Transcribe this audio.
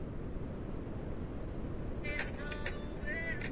ni vya asili ni msitu mkubwa duniani